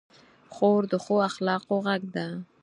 خور د ښو اخلاقو غږ ده.